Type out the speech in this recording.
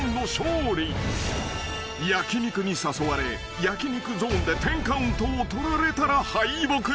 ［焼き肉に誘われ焼き肉ゾーンで１０カウントを取られたら敗北］